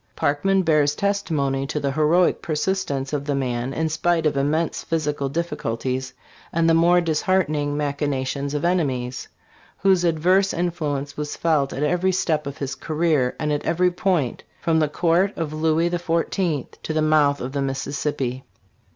Parkman bears testimony to the heroic persistence of the man in spite of immense physical difficulties and the more disheartening machina tions of enemies, whose adverse influence was felt at every step of his career and at every point, from the court of Louis XIV. to the mouth of the Missis sippi.